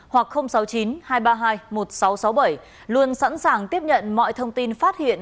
hoặc sáu mươi chín hai trăm ba mươi hai một nghìn sáu trăm sáu mươi bảy luôn sẵn sàng tiếp nhận mọi thông tin phát hiện